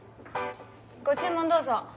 ご注文どうぞ。